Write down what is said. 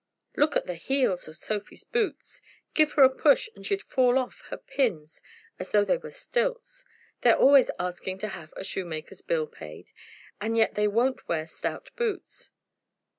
"Look at the heels of Sophie's boots! Give her a push, and she'd fall off her pins as though they were stilts. They're always asking to have a shoemaker's bill paid, and yet they won't wear stout boots."